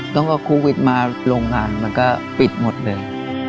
ตั้งแต่คุณวิทย์มาโรงงานมันก็ปิดหมดเลย